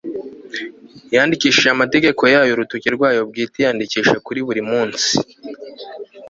yandikishije amategeko yayo urutoki rwayo bwite iyandika kuri buri mutsi